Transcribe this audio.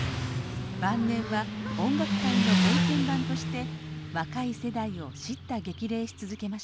晩年は音楽界のご意見番として若い世代を叱咤激励し続けました。